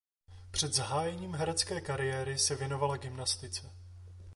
Před zahájením herecké kariéry se věnovala gymnastice.